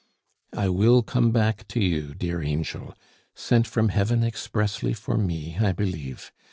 "I will come back to you, dear angel sent from Heaven expressly for me, I believe.